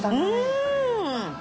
うん。